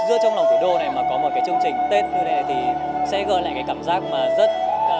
giữa trong lòng thủ đô để mà có một cái chương trình tết như thế này thì sẽ gợi lại cái cảm giác mà rất